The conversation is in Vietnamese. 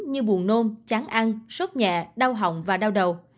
như buồn nôm chán ăn sốt nhẹ đau hỏng và đau đầu